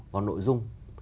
và nội dung